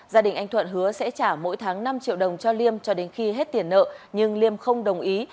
gia đình anh thuận hứa sẽ trả mỗi tháng năm triệu đồng cho liêm cho đến khi hết tiền nợ nhưng liêm không đồng ý